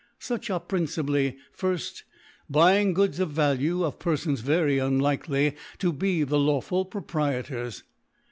Such are principally, i. Buying Goods of Value, of Perfons very unlikely to be the lawful Pro prietors.